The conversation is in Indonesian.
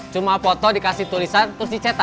cuma foto dikasih tulisan terus dicetak